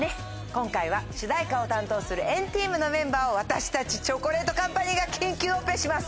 今回は主題歌を担当する＆ＴＥＡＭのメンバーを私たちチョコレートカンパニーが緊急オペします！